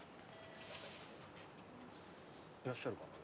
いらっしゃるかな？